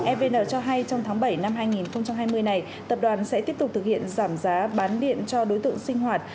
evn cho hay trong tháng bảy năm hai nghìn hai mươi này tập đoàn sẽ tiếp tục thực hiện giảm giá bán điện cho đối tượng sinh hoạt